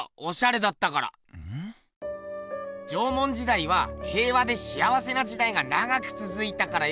縄文時代は平和でしあわせな時代が長くつづいたからよ